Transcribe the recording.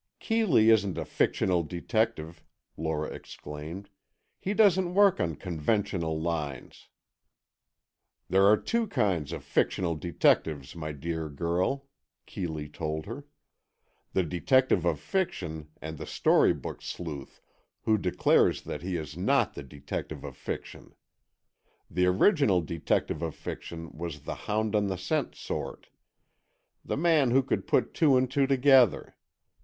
"Keeley isn't a fictional detective," Lora exclaimed. "He doesn't work on conventional lines——" "There are two kinds of fictional detectives, my dear girl," Keeley told her. "The detective of fiction, and the story book sleuth who declares that he is not the detective of fiction. The original detective of fiction was the hound on the scent sort. The man who could put two and two together.